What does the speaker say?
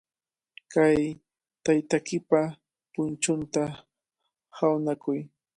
Kay taytaykipa punchunta hawnakuy.